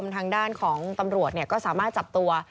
ทางด้านของตำรวจก็สามารถจับตัว